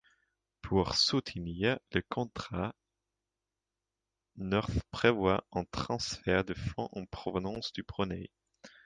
Pour soutenir les Contras, North prévoit un transfert de fonds en provenance du Brunei.